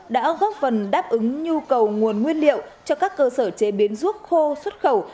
đã góp phần đáp ứng nhu cầu nguồn nguyên liệu cho các cơ sở chế biến ruốc khô xuất khẩu